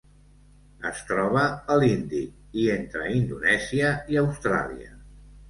Es troba a l'Índic i entre Indonèsia i Austràlia.